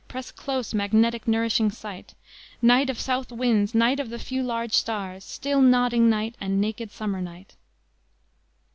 Press close, magnetic, nourishing night! Night of south winds! night of the few large stars! Still, nodding night! mad, naked, summer night!"